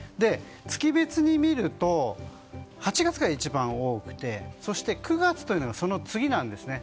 月別に見ると、８月が一番多くてそして９月というのがその次なんですね。